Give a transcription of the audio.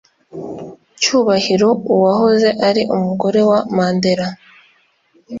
cyubahiro uwahoze ari umugore wa mandela,